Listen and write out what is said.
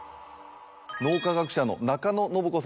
脳科学者の中野信子さん